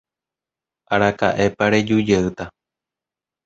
Araka'épa rejujeýta.